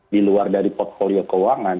di luar dari portfolio keuangan